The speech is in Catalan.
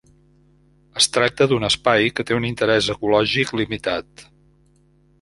Es tracta d'un espai que té un interès ecològic limitat.